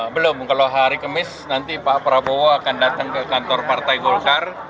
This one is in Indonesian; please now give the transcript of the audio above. belum kalau hari kemis nanti pak prabowo akan datang ke kantor partai golkar